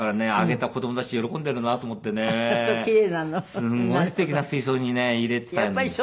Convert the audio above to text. すごいすてきな水槽にね入れてたんです。